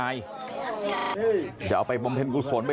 ชาวบ้านในพื้นที่บอกว่าปกติผู้ตายเขาก็อยู่กับสามีแล้วก็ลูกสองคนนะฮะ